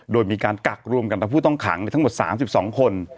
โดยมีการกักรวมกันทั้งผู้ต้องขังทั้งหมด๓๒คน